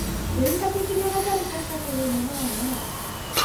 文化的ならざる国家というものはない。